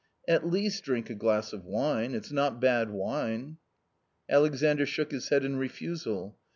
" At least drink a glass of wine ; it's not bad wine !" Alexandr shook his head in refusal.